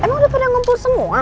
emang udah pada ngumpul semua